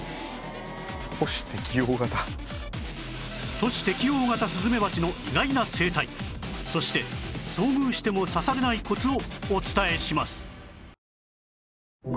都市適応型スズメバチの意外な生態そして遭遇しても刺されないコツをお伝えします